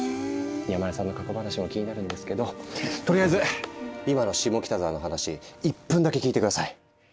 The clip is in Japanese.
山根さんの過去話も気になるんですけどとりあえず今の下北沢の話１分だけ聞いて下さい。